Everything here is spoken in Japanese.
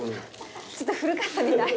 ちょっと古かったみたい。